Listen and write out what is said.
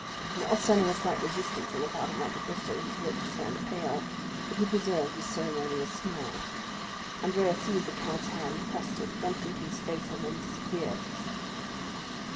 Notwithstanding a slight resistance on the part of Monte Cristo, whose lips turned pale, but who preserved his ceremonious smile, Andrea seized the count's hand, pressed it, jumped into his phaeton, and disappeared.